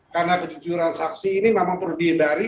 karena kejujuran saksi ini memang perlu dihindari